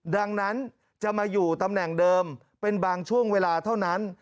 ดังนั้นจะมาอยู่ตำแหน่งเดิมเป็นบางช่วงเวลาเท่านั้น